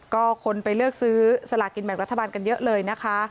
ก็คนไปเลือกซื้อสลากินแบ่งรัฐบาลกันเยอะเลยนะคะ